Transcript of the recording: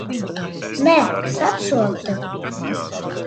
Nē, es apsolu tev.